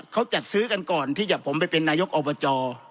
เขาจัดซื้อกันก่อนที่จะผมไปเป็นนายกอบจ